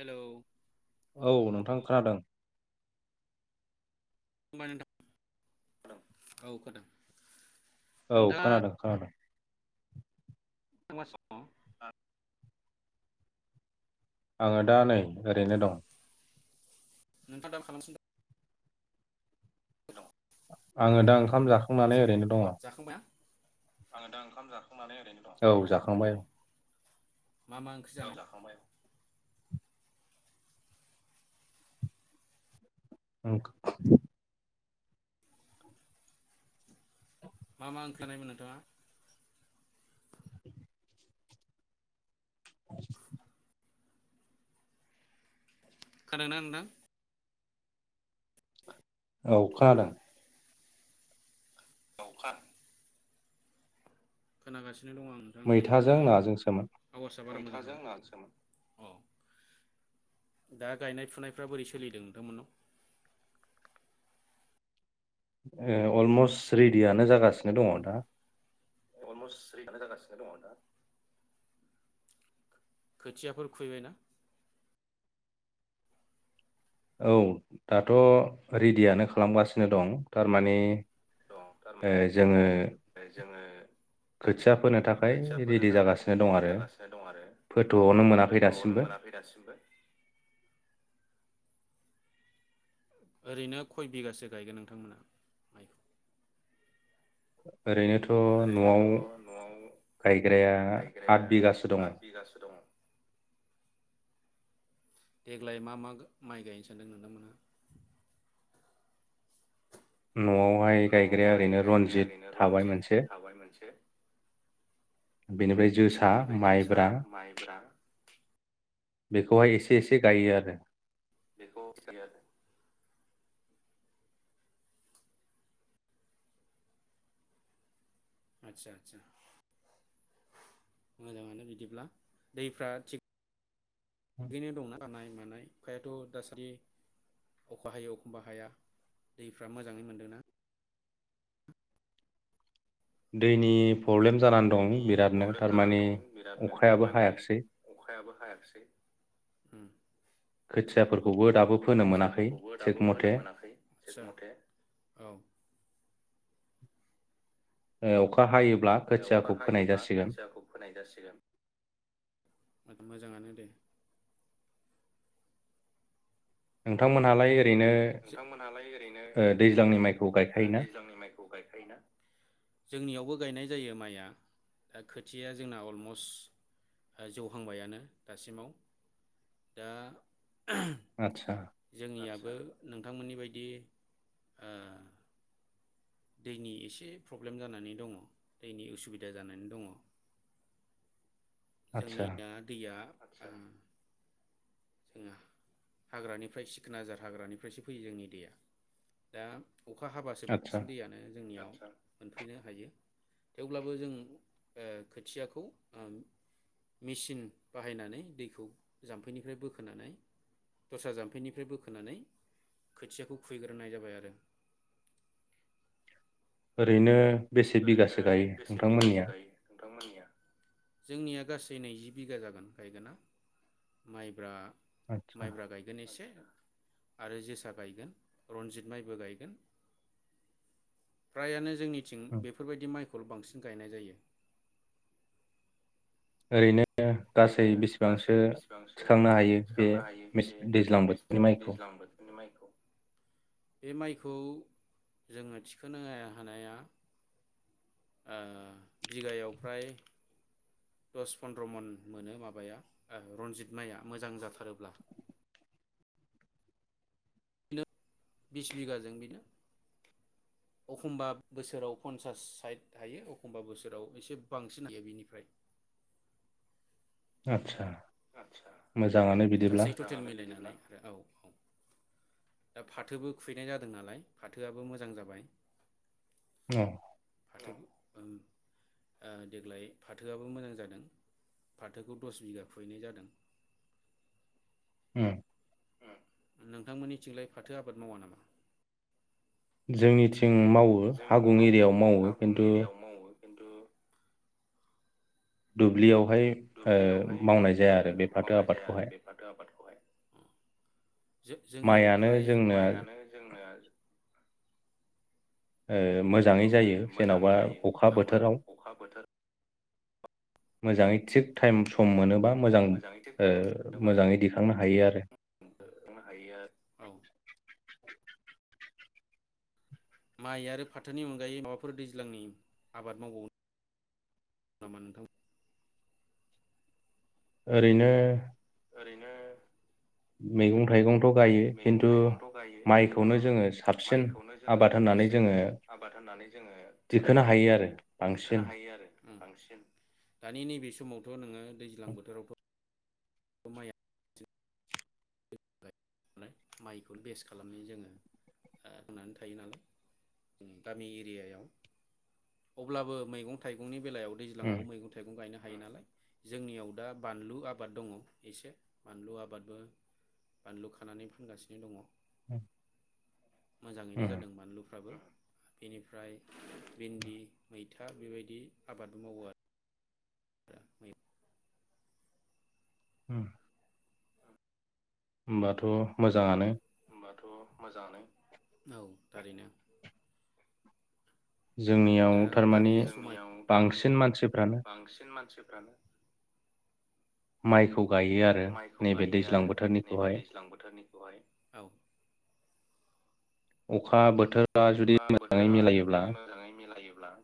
Hello औ नोंथां खोनादों। खुलुमबाय नोंथां औ खानादों। औ खोनादों-खोनादों। मा खालामगासिनो दं दा? आंङो दा नै ओरैनो दं। नोंथांआ दा मा खालामसिनो दं? आंङो दा ओंखाम जाखांनानै ओरैनो दंङ। आंङो दा ओंखाम जा खांनानै ओरैनो औ जाखांबाय दं। मा मा ओंख्रि औ जाखांबाय औ। [unintelligible] मा मा ओंख्रि जानायमोन नोंथांआ? [unintelligible] खोनादों ना नोंथां? औ खाानादों। गावखार खोनागासि दं आं नोंथां मैथाजों नोंथांनि नाजोंसोमोन आवास औ दा गायनाय फुनायफ्रा बोरै सोलिदों नोंथांमोननाव? ओ अलमस रेदियानो जागासिनो दंङ दा अलमस रेदियानो जागासिनो दंङ दा खोथियाफोर खुबैबायना? औ दाथ' रेडियानो खालामगासिनो दं थारमाने दं थारमाने ओ जोंङो जोङो खोथिया फोनो थाखाय खोथिया फोनो रेडि थाखाय जागासिनो दं रेडि आरो जागासिनो दं आरो। फोथ'आवनो मोनाखै गोथौआवनो दासिमबो मोनाखै दासिमबो ओरैनो खय बिगासो गायगोन नोंथांमोना मायखौ? [inaudible] ओरैनोथ' न'आव ओरैनोथ' न'आव गायग्राया गायग्राया आद बिगासो दङ आद बिगासो दङ देग्लाय मा मा माइ गायनो सानदों नोंथांमोनहा? न'आवहाय गायग्राया न'आवहाय ओरैनो गायग्राया रन्जित ओरैनो थाबाय रनजित मोनसे थाबाय मोनसे बेनिफ्राय जोसा बेनिफ्राय जोसा माइब्रा माइब्रा बेखौहाय एसे एसे गायो आरो बेखौ [unintelligible] आदसा आदसा मोजाङानो बिदिब्ला दैफ्रा थिग गैनो दंना आखा हानाय मानाय अखायाथ' दासदि एखनबा हायोै एखनबा हाया दैफ्रा मोजाङै मोनदोंना दैनि प्रब्लेम जानानै दं दैनि बिरादनो प्रब्लेम जानानै थारमाने दं बिरादनो अखायाबो थारमानि हायाखिसै अखायाबो हायाखसै दाबो फोनो मोनाखै खोथियाफोरखौबो थिग दाबो मथे फोनो मोनाखै थिग मथे औ [unintelligible] अखा हायोब्ला अखा खोथियाखौ फोनाय हायोब्ला जासिगोन खोथियाखौ फोनाय जासिगोन मोजाङानो दे नोंथांमोनहालायै नोंथांमोनहालाय ओरैनो दैज्लांनि माइखौ ओ गायखायोना दैज्लांनि माइखौ गायखायोना जोंनियावबो गायनाय जायो माइआ दा खोथिया जोंना अलमस्ट जौहांबायानो दासिमाव दा आतसा जोंनियाबो नोंथांमोननि बायदि ओ दैनि एसे प्रब्लेम जानानै दङ दैनि उसुबिदा जानानै दङ आदसा जोंनिया दैया आतस जों हाग्रानिफ्राय सिखोनजार हाग्रानिफ्रायसो फैयो जोंनि दैया दा अखा हाबासो आदसा बांसिन दैयानो जोंनियाव आतसा मोनफैनो हायो थेवब्लाबो जों ओ खोथियाखौ मिसिन बाहायनानै दैखौ जाम्फैनिफ्राय बोखोनानै दस्रा जाम्फैनिफ्राय बोखोनानै खोथियाखौ खुयबैग्रोनाय जाबाय आरो ओरैनो बेसे ओरैनो बिगासो गायो बेसे बिगासो नोंथांमोननिया गायो नोंथांमोननिया जोंनिया गासै नैजि बिगा जागोन गायगोना माइब्रा आदसा माइब्रा गायगोन एसे आरो जोसा गायगोन रनजित माइबो गायगोन। फ्रायानो जोंनिथिं उम। बेफोरबायदि माइखौल' बांसिन गायनाय जायो। ओरैनो गासै ओरैनो गासै बेसेबांसो बिसिबांसो थिखांनो हायो बे थिखांनो हायो? मेस- बे दैज्लां मेस बोथोरनि माइखौ दैज्लां बोथोरनि माइखौ। बे माइखौ जोङो थिखोनो हानाया, ओ बिगायाव फ्राय दस पन्द्र मन मोनो माबाया रन्जित माइआ मोजां जाथारोब्ला। बिदिनो बिस बिगाजों बेनो, एखमबा बोसोराव पन्सास साइथ हायो एखमबा बोसोराव एसे बांसिन हायो बिनिफ्राय। आतसा। आतसा मोजांआनो मोजाङानो बिदिब्ला। गासै टटेल मिलायनानै आरो औ-औ दा फाथोबो खुबैनाय जादों नालाय फाथोआबो मोजां जाबाय। औ फाथो ओ देग्लाय फाथोआबो मोजां जादों फाथोखौ दस बिगा खुबैयनाय जादों। [unintelligible] नोंथांमोननि थिंलाय फाथो आबाद मावा नामा? जोंनि मावो जों हागुं एरियायाव हा मावो, गुं खिन्थु एरियायाव मावो खिन्थु दुब्लियाव दुब्लियावहाय फाथो मावनाय जाया आरो आबादखौहाय बे फाथो आबादखौहाय, जोंनियाव माइयानो फ्राय जोंना माइआनो जोंना मोजाङै ओ जायो मोजाङै जेनबा जायो अखा जेन'बा बोथोराव। अखा बोथोर मोजाङै थिग टाइम सम मोनोबा मोजां मोजाङै थिग टाइम मोनोबा मोजाङै दिखांनो हायो आरो। [unintelligible] माइ आरो फाथोनि अनगायै माबाफोर दैज्लांनि आबाद मावबावो? नामा नोंथां? ओरैनो ओरैनो मैगं थाइगं मैगं थाइगंथ गायो, खिन्थु जोङो साबसिन माइखौनो जोङो आबाद होननानै साबसिन जोङो आबाद होननानै जोङो दिखोनो हायो आरो बांसिन दिखोनो हायो आरो बांसिन। दानि नैबे समावथ नोङो दैज्लां बोथोरावथ समाया माइखौनो बेस्ट खालामनानै जोङो होननानै थायो नालाय। गामि एरियायाव अब्लाबो मैगं थाइगंनि बेलायाव उम दैज्लाङाव मैं थाइगं गायनो हायो नालाय जोंनियाव दा बानलु आबाद दङ। एसे बानलु आबादबो बानलु खानानै फानगासिनो दङ। [unintelligible] मोजाङैनो जादों बानलुफ्राबो। बेनिफ्राय भिन्दि, मैथा बेबायदि आबादबो मावो आरो। [unintelligible] उम। होमबाथ' मोजाङानो। होनबाथ' मोजाङानो, औ थारैनो। दा जोंनियाव थारमाने गामि [unintelligible] थारमाने बांसिन मानसिफ्रानो बांसिन मानसि फ्रानो माइखौ गायो आरो माइखौ नैबे गायो दैज्लां आरो नैबे बोथोरनिखौहाय दैज्लां बोथोरनिखौहाय औ। अखा बो अखा बोथोरा जुदि मोजाङै मिलायोब्ला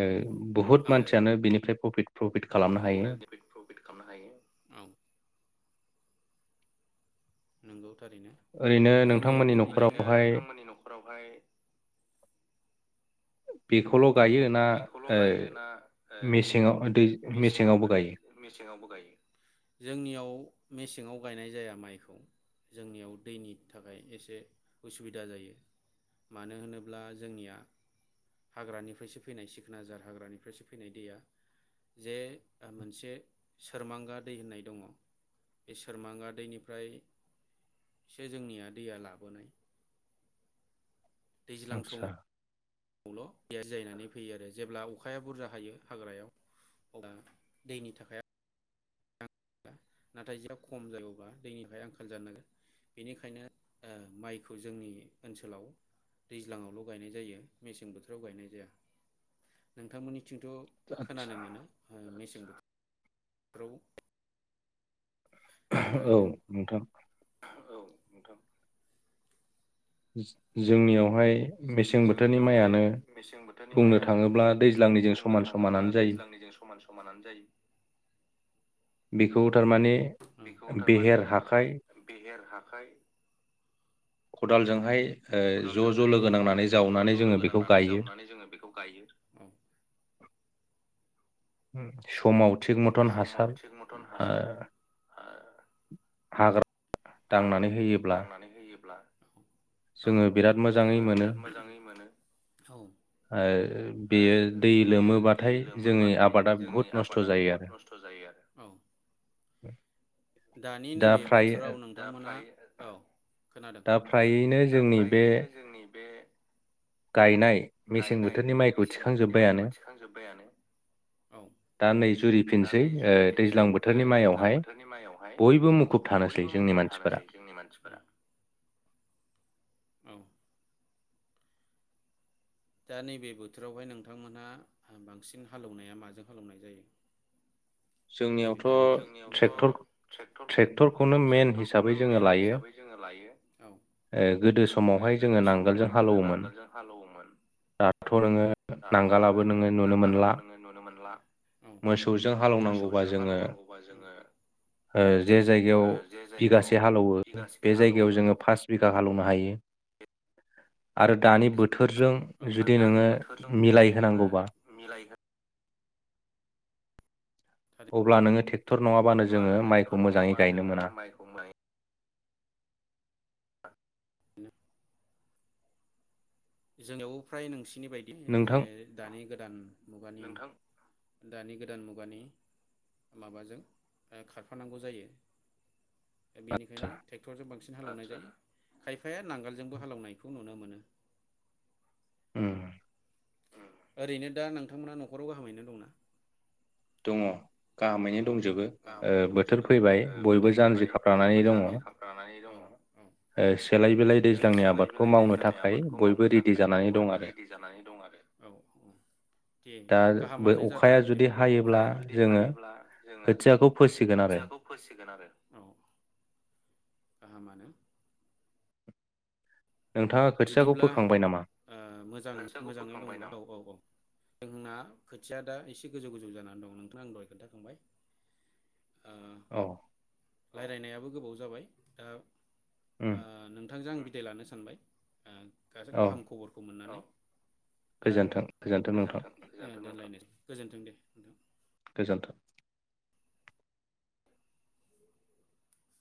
ओ बुहुत ओ मानसियानो बेनिफ्राय प्रफित प्रफिट खालामनो बनो हायो। प्रफिट खालामनो हायो औ नंगौ। ओरैनो ओरैनो नोंथांमोननि जोंनियावबो बेहाय, ओरैनो न'खरावहाय नोंथांमोननि न'खरावहाय बेखौल' गायो ना बेखौल' ओ गायो ना मेसेङाव दै ओ मेसेङाव मेसेङावबो दै गायो मेसेङावबो गायो? जोंनियाव मेसेङाव गायनाय जाया माइखौ जोंनियाव दैनि थाखाय एसे उसुबिदा जायो मानो होनोब्ला जोंनिया हाग्रानिफ्रायसो फैनाय सिखोना जार हाग्रानिफ्रायसो फैनाय दैया जे मोनसे सोरमांगा दै होननाय दङ बे सोरमांगा दैनिफ्रायसो जोंनिया दैया लाबोनाय। दैज्लां आदसा समाव खौल' दैया जियायनानै फैयो आरो, जेब्ला अखाया बुरजा हायो हाग्रायाव अब्ला दैनि थाखाय नाथाय जेला खम जायोब्ला दैनि थाखाय आंखाल जानो नागिरो बेनिखायनो ओ माइखौ जोंनि ओनसोलाव दैज्लाङावल' गायनाय जायो मेसें बोथोराव गायनाय जाया। नोंथांमोननि बिथिंथ' आदसा खोनानो मोनो मेसें बोथो [unintelligible] औ नोंथां। औ नोंथां। जो-जोंनियाव जोंनियावहाय मेसें बोथोरनि बुंनो माइयानो थाङोब्ला दैज्लांनिजों बुंनो समान थाङोब्ला समानानो जायो दैज्लांनिजों समान समानानो जायो। बेखौ थारमाने बेखौ बेहेर हाखाइ खाय औ खदालजोंहाय ओ ज' ज' खदालजोंहाय लोगो ओ नांनानै ज' जावनानै ज' जोङो लोगो बेखौ नांनानै गायो जावनानै जोङो बेखौ गायो। औ। ओ समाव थिक मथन समाव हासार थिग मथन हासार ओ हा-हाग्रा हाग्रा दांनानै होयोब्ला औ जोङो बिराद मोजाङै जोङो मोनो बिराद मोजाङै मोनो। औ। ओ बेयो दै बेयो दै लोमोबाथाय जोंनि लोमोबाथाय आबादा जोंनि बुहुद नस्थ' आबादा जायो बुहुत आरो नस्थ' जायो आरो औ दानि दा नैबे फ्राय बोथोराव नों मोननाय औ खोनादों दा खोनादों फ्रायैनो दा जोंनि बे फ्रायैनो जोंनि बे गायनाय मेसें गायनाय बोथोरनि माइखौ मेसें बोथोरनि माइखौ थिखांजोब्बायानो थिखांजोब्बायानो औ दा नै दा जुरिफिनसै नै ओ जुरिफिनसै दैज्लां ओ बोथोरनि दैज्लां माइयावहाय बोथोरनि माइयावहाय बयबो मुखुब थानोसै बयबो जोंनि मुखुब मानसि जोंनि मानसिफोरा। [inaudible] दा नैबे बोथोरावहाय नोंथांमोनहा बांसिन हालेवनाया माजों हालेवनाय जायो? नैेबे दानि जोंनियावथ' बोथोराव जोंनियावथ' ट्रेक्टरखौ ट्रेक्टर ट्रेक्टरखौनो मेन हिसाबै ट्रेक्टरखौनो जोङो मेन लायो हिसाबै जोङो लायो औ ओ गोदो समावहाय गोदो जोङो नांगोलजों समावहाय जोङो हालौवोमोन नांगोलजों हालेवोमोन दाथ' नोङो दाथ' नोङो नांगालाबो नुनो नांगोलाबो मोनला नोङो नुनो मोनला औ। बेवबा मोसौजों जोंङो हालौवनांगौबा जोङो ओ जे जायगायाव ओ जे जायगायाव बिगासे हालौवो बिगासे बे जायगायाव हालौवो जोङो पास बिघा हालेवनो हायो आरो दानि बोथोरजों औ जुदि दानि नोङो बोथोरजों मिलाय जुदि नोङो होनांगौबा मिलायहो अब्ला नोङो ट्रेक्टर नङाबानो अब्ला जोङो नोङो माइखौ ट्रेक्टर मोजाङै नङाबा गायनो जोङो मोना। माइखौ मोन [inaudible] जोंनियावबो फ्राय नोंसि नि बायदि जे नोंथां दानि गोदान मुगानि दानि गोदान मुगानि माबाजों खारफानांगौ जायो। दा बेनिखायनो ट्रेक्टरजों बां सिन हालेवनाय जायो खायफाया नांगोलजोंबो हालेवनायखौ नुनो मोनो। उम ओरैनो दा नोंथांमोनहा न'खराव गाहामैनो दंना? दङ। गाहामैनो दङ दंजोबो ओ गाहामैनो बोथोर दंजोबो फैबाय बयबो बोथोर जानजि फैबाय बयबो खाफ्रानानै दङ जान्जि खामफ्रानानै दङ ओ सेलाय बेलाय दैज्लांनि सेलाय आबादखौ बिलाय मावनो दैज्लांनि थाखाय आबादखौ मावनो बयबो रेडि थाखाय जानानै दं बयबो आरो रेडि जानानै दं आरो औ दे दा बो गाहामानो जादों अखाया जुदि बिदिब्ला। हायोब्ला जोङो दा जोङो खोथियाखौ फोसिगोन आरो खोथियाखौ फोसिगोन आरो औ दामानो नोंथाङा खोथियाखौ बिदिब्ला फोखांबाय नामा? ओ मोजां मोजाङै लगायना औ औ औ। जोंना खोथिया दा एसे गोजौ गोजौ जानानै दं नोंथां आं दहाय खोन्थाखांबाय ओ औ रायलायनायाबो गोबाव जाबाय दा उम अ नोंथांजों आं बि बिदाय लानो सानबाय ओ गासै औ गाहाम खबरखौ मोननानै गोजोन्थों दा गोजोन्थों नोंथां गोजोनथों। गोजोन्थों दे नोंथां। गोजोन्थों।